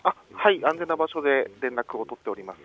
安全な場所で連絡を取っております。